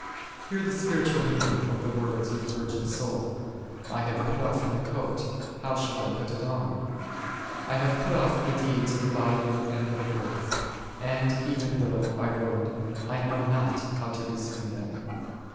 Hear the spiritual meaning of the words of the vir gin soul; / have put off my coat, how shall I put it on ? I have put off the deeds of the body and of earth, and even though I would, I know not how to resume them.